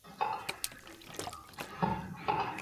新疆花蛛为蟹蛛科花蛛属的动物。